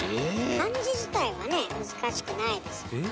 漢字自体はね難しくないですもんね。